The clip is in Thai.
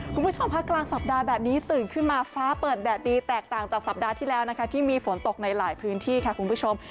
คุณผู้ชมภาคกลางสัปดาห์แบบนี้ตื่นขึ้นมาฟ้าเปิดแดดดีแตกต่างจากสัปดาห์ที่แล้วนะคะที่มีฝนตกในหลายพื้นที่ค่ะคุณผู้ชม